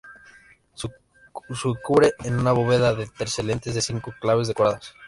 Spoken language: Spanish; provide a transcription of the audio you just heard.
Se cubre con una bóveda de terceletes de cinco claves decoradas.